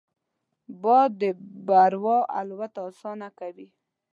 باد د بورا الوت اسانه کوي